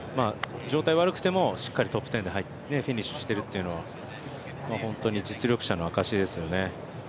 状態悪くてもしっかりトップ１０でフィニッシュしているというのは本当に実力者の証しですよね。